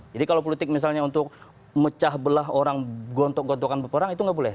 jadi kalau politik misalnya untuk mecah belah orang gontok gontokan beberapa orang itu tidak boleh